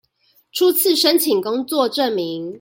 初次申請工作證明